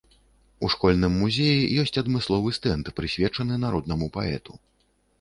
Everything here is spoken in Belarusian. У школьным музеі ёсць адмысловы стэнд, прысвечаны народнаму паэту.